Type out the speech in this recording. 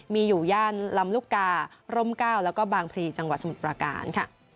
มีอยู่ย่านลำลุกการมก้าวและบางพลีจังหวัดสมุทรการ